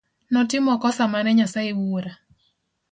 Notimo kosa mane Nyasaye Wuora.